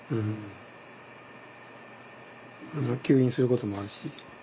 吸引することもあるし。